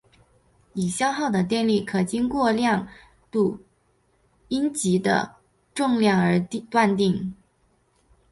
已消耗的电力可经过量度阴极的重量而断定。